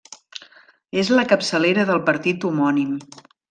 És la capçalera del partit homònim.